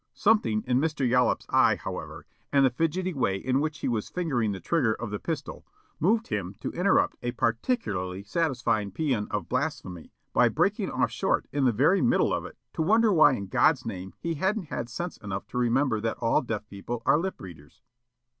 Something in Mr. Yollop's eye, however, and the fidgety way in which he was fingering the trigger of the pistol, moved him to interrupt a particularly satisfying paean of blasphemy by breaking off short in the very middle of it to wonder why in God's name he hadn't had sense enough to remember that all deaf people are lip readers.